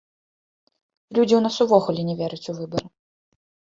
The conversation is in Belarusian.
Людзі ў нас увогуле не вераць у выбары.